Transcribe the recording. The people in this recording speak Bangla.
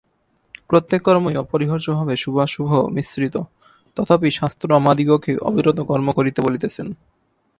প্রত্যেক কর্মই অপরিহার্যভাবে শুভাশুভ-মিশ্রিত, তথাপি শাস্ত্র আমাদিগকে অবিরত কর্ম করিতে বলিতেছেন।